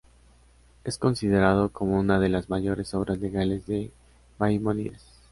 Es considerado como una de las mayores obras legales de Maimónides.